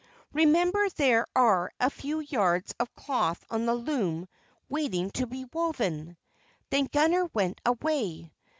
Remember there are a few yards of cloth on the loom waiting to be woven." Then Gunner went away.